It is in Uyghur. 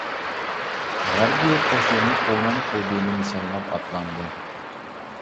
غەربىي يول قوشۇنى خۇنەن، خۇبېينى نىشانلاپ ئاتلاندى.